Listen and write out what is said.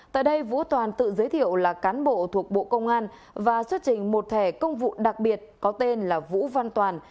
tại đây vũ toàn tự giới thiệu là cán bộ thuộc bộ công an và xuất trình một thẻ công vụ đặc biệt có tên là vũ văn toàn